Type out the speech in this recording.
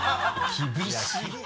厳しい。